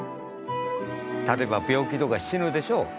例えば病気とかで死ぬでしょ